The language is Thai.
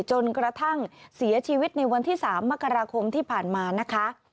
จนกระทั่งเสียชีวิตในวันที่๓มกราคมที่ผ่านมานะคะ